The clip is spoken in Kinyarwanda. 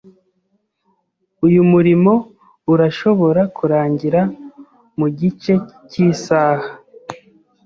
Uyu murimo urashobora kurangira mugice cyisaha.